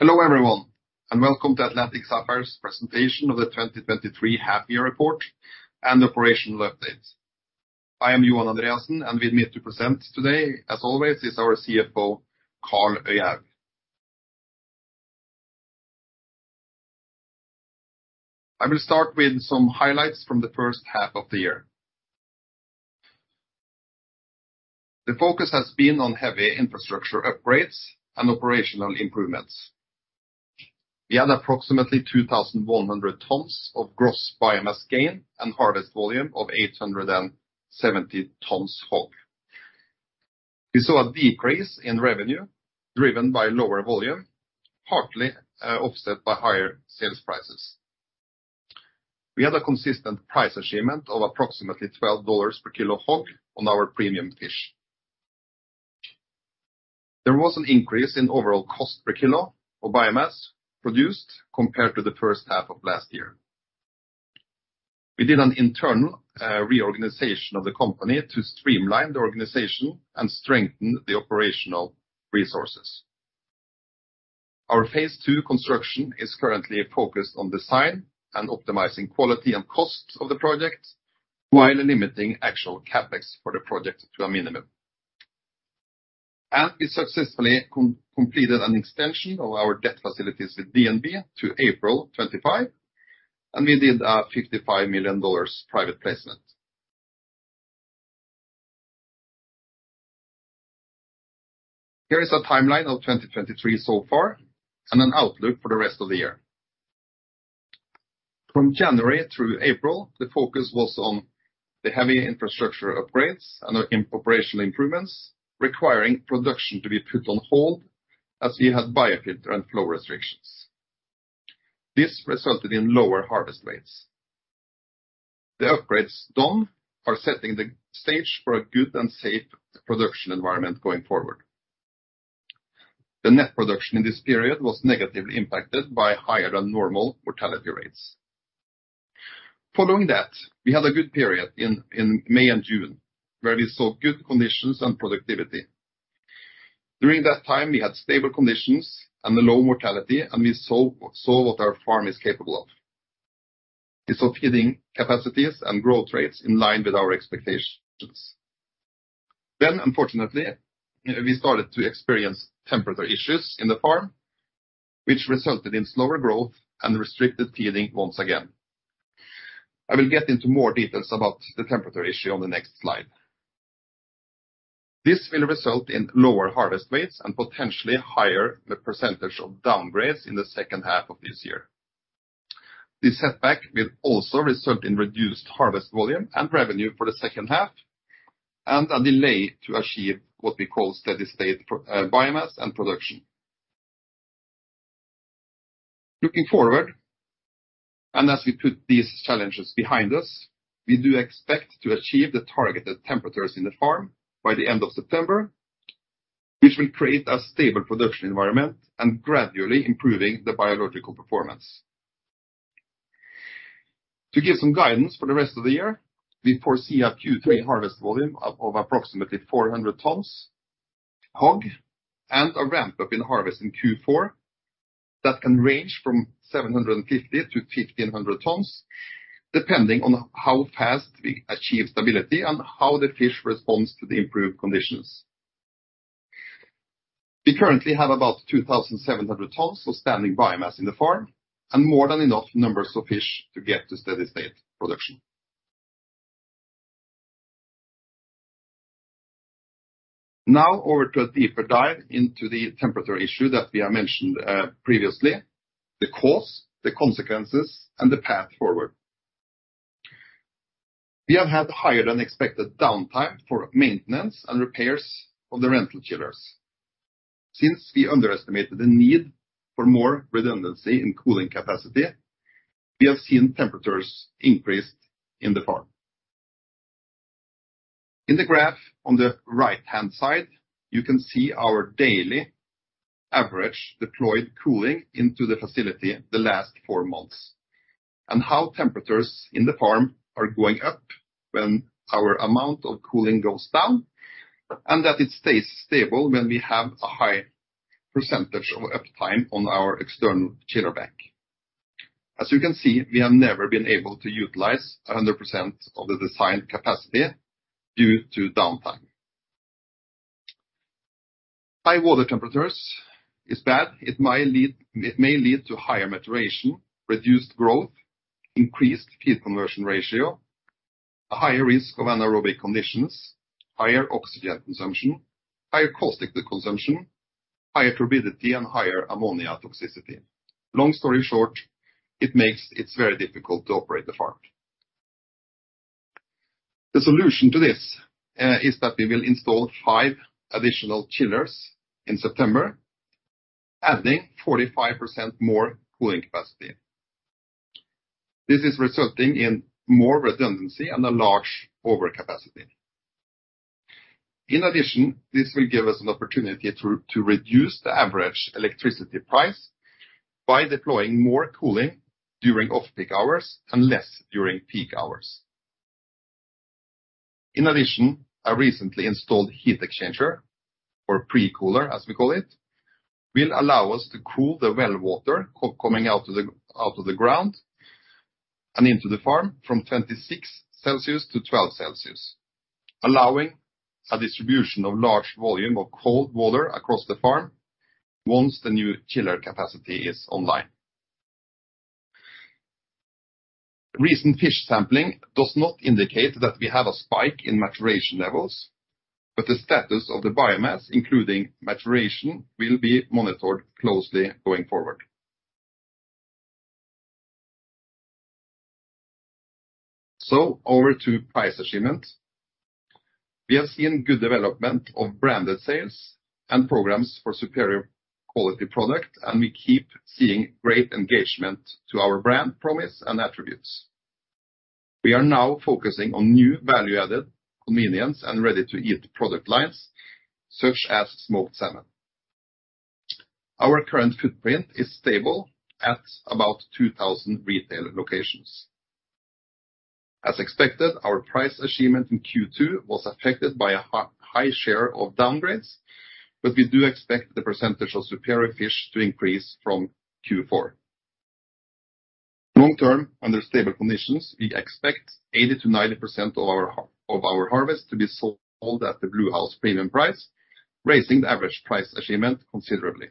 Hello, everyone, and welcome to Atlantic Sapphire's presentation of the 2023 half year report and operational update. I am Johan Andreassen, and with me to present today, as always, is our CFO, Karl Øyehaug. I will start with some highlights from the first half of the year. The focus has been on heavy infrastructure upgrades and operational improvements. We had approximately 2,100 tons of gross biomass gain and harvest volume of 870 tons HOG. We saw a decrease in revenue driven by lower volume, partly offset by higher sales prices. We had a consistent price achievement of approximately $12 per kilo HOG on our premium fish. There was an increase in overall cost per kilo of biomass produced compared to the first half of last year. We did an internal reorganization of the company to streamline the organization and strengthen the operational resources. Our Phase 2 construction is currently focused on design and optimizing quality and costs of the project, while limiting actual CapEx for the project to a minimum. We successfully completed an extension of our debt facilities with DNB to April '25, and we did a $55 million private placement. Here is a timeline of 2023 so far and an outlook for the rest of the year. From January through April, the focus was on the heavy infrastructure upgrades and in operational improvements, requiring production to be put on hold as we had biofilter and flow restrictions. This resulted in lower harvest rates. The upgrades done are setting the stage for a good and safe production environment going forward. The net production in this period was negatively impacted by higher-than-normal mortality rates. Following that, we had a good period in May and June, where we saw good conditions and productivity. During that time, we had stable conditions and a low mortality, and we saw what our farm is capable of. We saw feeding capacities and growth rates in line with our expectations. Then, unfortunately, we started to experience temperature issues in the farm, which resulted in slower growth and restricted feeding once again. I will get into more details about the temperature issue on the next slide. This will result in lower harvest rates and potentially higher the percentage of downgrades in the second half of this year. This setback will also result in reduced harvest volume and revenue for the second half, and a delay to achieve what we call steady state production, biomass and production. Looking forward, and as we put these challenges behind us, we do expect to achieve the targeted temperatures in the farm by the end of September, which will create a stable production environment and gradually improving the biological performance. To give some guidance for the rest of the year, we foresee a Q3 harvest volume of approximately 400 tons HOG, and a ramp-up in harvest in Q4 that can range from 750 tons-1,500 tons, depending on how fast we achieve stability and how the fish responds to the improved conditions. We currently have about 2,700 tons of standing biomass in the farm and more than enough numbers of fish to get to steady state production. Now over to a deeper dive into the temperature issue that we have mentioned previously, the cause, the consequences, and the path forward. We have had higher-than-expected downtime for maintenance and repairs of the rental chillers. Since we underestimated the need for more redundancy in cooling capacity, we have seen temperatures increased in the farm. In the graph on the right-hand side, you can see our daily average deployed cooling into the facility the last 4 months, and how temperatures in the farm are going up when our amount of cooling goes down, and that it stays stable when we have a high percentage of uptime on our external chiller bank. As you can see, we have never been able to utilize 100% of the design capacity due to downtime. High water temperatures is bad. It may lead to higher maturation, reduced growth, increased feed conversion ratio, a higher risk of anaerobic conditions, higher oxygen consumption, higher caustic consumption, higher turbidity, and higher ammonia toxicity. Long story short, it makes it very difficult to operate the farm. The solution to this is that we will install 5 additional chillers in September, adding 45% more cooling capacity. This is resulting in more redundancy and a large overcapacity. In addition, this will give us an opportunity to reduce the average electricity price by deploying more cooling during off-peak hours and less during peak hours. In addition, a recently installed heat exchanger, or pre-cooler, as we call it, will allow us to cool the well water coming out of the ground and into the farm from 26 degrees Celsius to 12 degrees Celsius, allowing a distribution of large volume of cold water across the farm once the new chiller capacity is online. Recent fish sampling does not indicate that we have a spike in maturation levels, but the status of the biomass, including maturation, will be monitored closely going forward. So over to price achievement. We have seen good development of branded sales and programs for superior quality product, and we keep seeing great engagement to our brand promise and attributes. We are now focusing on new value-added convenience and ready-to-eat product lines, such as smoked salmon. Our current footprint is stable at about 2,000 retail locations. As expected, our price achievement in Q2 was affected by a high share of downgrades, but we do expect the percentage of superior fish to increase from Q4. Long term, under stable conditions, we expect 80%-90% of our harvest to be sold at the Bluehouse premium price, raising the average price achievement considerably.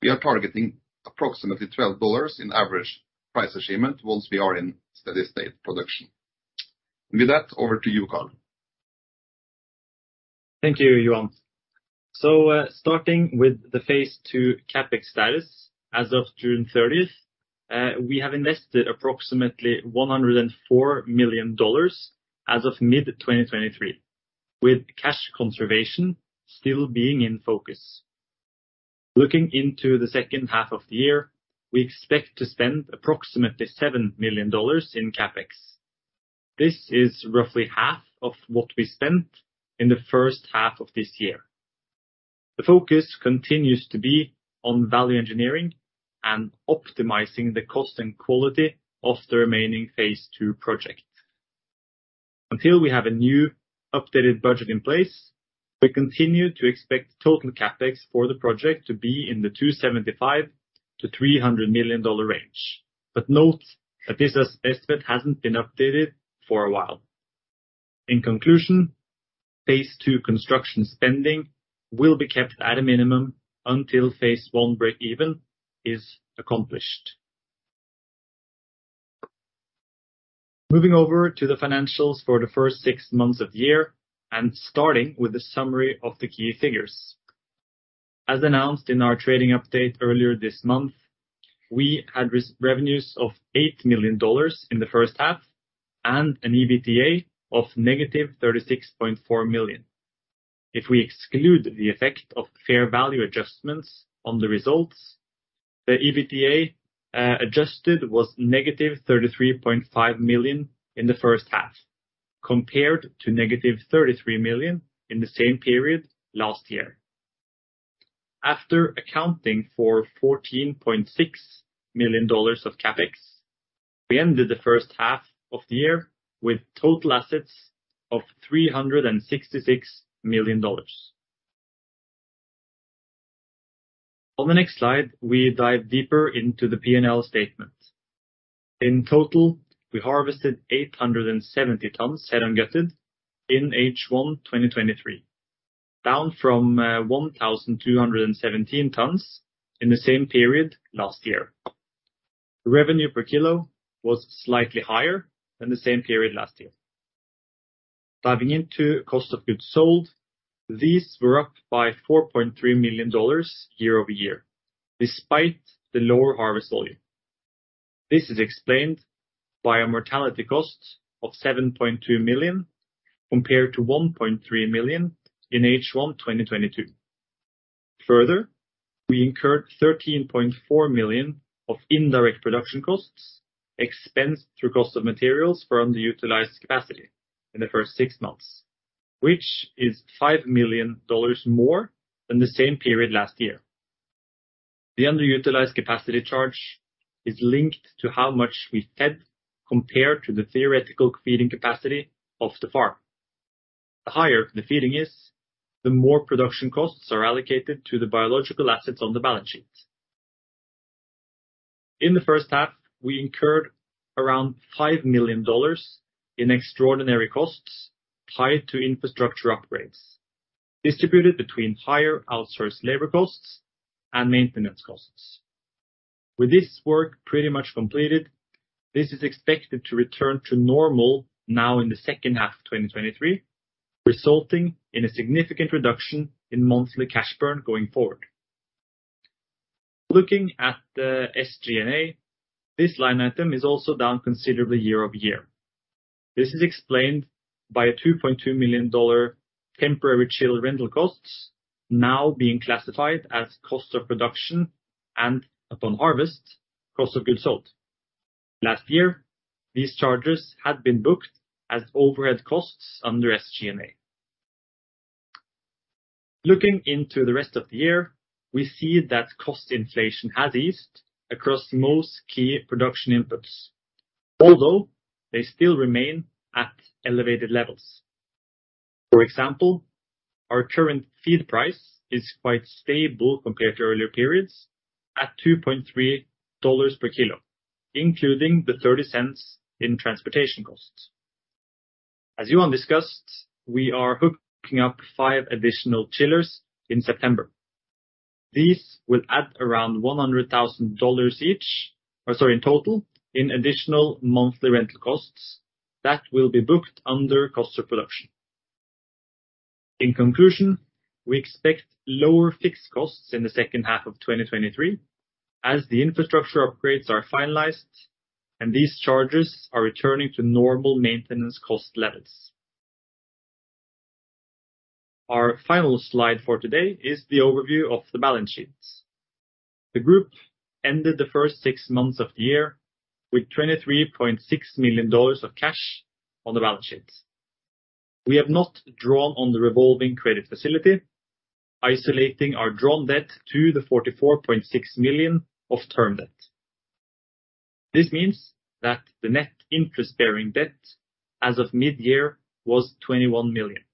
We are targeting approximately $12 in average price achievement once we are in steady state production. With that, over to you, Karl. Thank you, Johan. So, starting with the Phase 2 CapEx status. As of June 30th, we have invested approximately $104 million as of mid-2023, with cash conservation still being in focus. Looking into the second half of the year, we expect to spend approximately $7 million in CapEx. This is roughly half of what we spent in the first half of this year. The focus continues to be on value engineering and optimizing the cost and quality of the remaining Phase 2 project. Until we have a new updated budget in place, we continue to expect total CapEx for the project to be in the $275 million-$300 million range. But note that this estimate hasn't been updated for a while. In conclusion, Phase 2 construction spending will be kept at a minimum until Phase 1 breakeven is accomplished. Moving over to the financials for the first six months of the year, and starting with a summary of the key figures. As announced in our trading update earlier this month, we had revenues of $8 million in the first half, and an EBITDA of -$36.4 million. If we exclude the effect of fair value adjustments on the results, the EBITDA, adjusted was -$33.5 million in the first half, compared to -$33 million in the same period last year. After accounting for $14.6 million of CapEx, we ended the first half of the year with total assets of $366 million. On the next slide, we dive deeper into the P&L statement. In total, we harvested 870 tons, Head-on Gutted, in H1 2023, down from 1,217 tons in the same period last year. Revenue per kilo was slightly higher than the same period last year. Diving into cost of goods sold, these were up by $4.3 million year-over-year, despite the lower harvest volume. This is explained by a mortality cost of $7.2 million, compared to $1.3 million in H1 2022. Further, we incurred $13.4 million of indirect production costs, expensed through cost of materials for underutilized capacity in the first six months, which is $5 million more than the same period last year. The underutilized capacity charge is linked to how much we fed, compared to the theoretical feeding capacity of the farm. The higher the feeding is, the more production costs are allocated to the biological assets on the balance sheet. In the first half, we incurred around $5 million in extraordinary costs tied to infrastructure upgrades, distributed between higher outsourced labor costs and maintenance costs. With this work pretty much completed, this is expected to return to normal now in the second half of 2023, resulting in a significant reduction in monthly cash burn going forward. Looking at the SG&A, this line item is also down considerably year-over-year. This is explained by a $2.2 million temporary chiller rental costs now being classified as cost of production and, upon harvest, cost of goods sold. Last year, these charges had been booked as overhead costs under SG&A. Looking into the rest of the year, we see that cost inflation has eased across most key production inputs, although they still remain at elevated levels. For example, our current feed price is quite stable compared to earlier periods at $2.3 per kilo, including the $0.30 in transportation costs. As Johan discussed, we are hooking up 5 additional chillers in September. These will add around $100,000 each, or sorry, in total, in additional monthly rental costs that will be booked under cost of production. In conclusion, we expect lower fixed costs in the second half of 2023 as the infrastructure upgrades are finalized and these charges are returning to normal maintenance cost levels. Our final slide for today is the overview of the balance sheets. The group ended the first six months of the year with $23.6 million of cash on the balance sheet. We have not drawn on the revolving credit facility, isolating our drawn debt to the $44.6 million of term debt. This means that the net interest bearing debt as of mid-year was $21 million,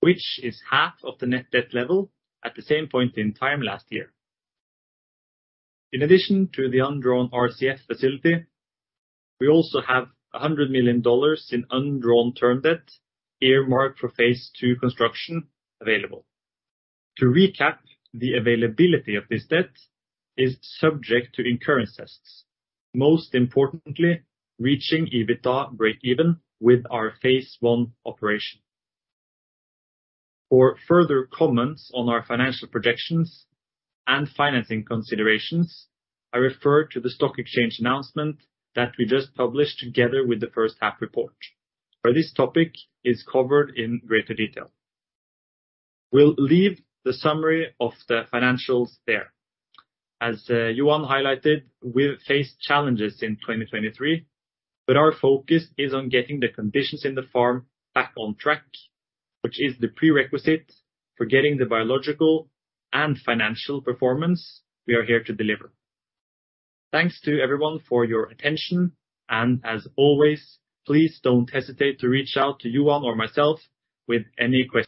which is half of the net debt level at the same point in time last year. In addition to the undrawn RCF facility, we also have $100 million in undrawn term debt earmarked for Phase 2 construction available. To recap, the availability of this debt is subject to incurrence tests, most importantly, reaching EBITDA breakeven with our Phase 1 operation. For further comments on our financial projections and financing considerations, I refer to the stock exchange announcement that we just published together with the first half report, where this topic is covered in greater detail. We'll leave the summary of the financials there. As Johan highlighted, we've faced challenges in 2023, but our focus is on getting the conditions in the farm back on track, which is the prerequisite for getting the biological and financial performance we are here to deliver. Thanks to everyone for your attention, and as always, please don't hesitate to reach out to Johan or myself with any questions.